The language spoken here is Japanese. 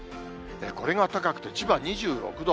これが高くて、千葉２６度。